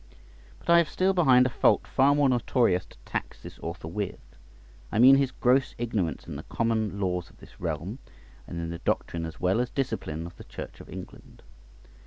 But I have still behind a fault far more notorious to tax this author with; I mean his gross ignorance in the common laws of this realm, and in the doctrine as well as discipline of the Church of England.